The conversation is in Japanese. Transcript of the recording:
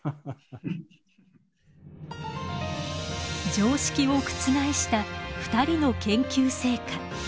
常識を覆した２人の研究成果。